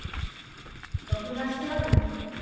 録画してある？